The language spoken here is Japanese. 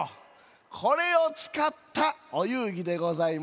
これをつかったおゆうぎでございます。